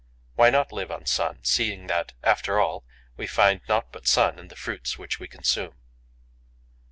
Why not live on sun, seeing that, after all, we find naught but sun in the fruits which we consume?